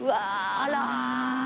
あら！